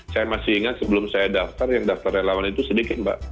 saya masih ingat sebelum saya daftar yang daftar relawan itu sedikit mbak